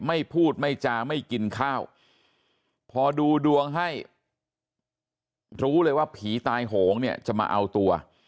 ไม่พูดไม่จาไม่กินข้าวพอดูดวงให้รู้เลยว่าผีตายโหงเนี่ยจะมาเอาตัว